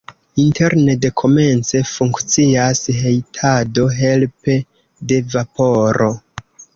Interne dekomence funkcias hejtado helpe de vaporo.